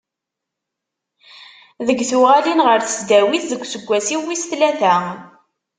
Deg tuɣalin ɣer tesdawit deg useggas-iw wis tlata.